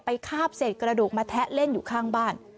คาบเศษกระดูกมาแทะเล่นอยู่ข้างบ้าน